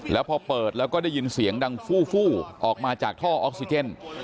แล้วพอเปิดแล้วก็ได้ยินเสียงดังฟู่ออกมาจากท่อออกซิเจน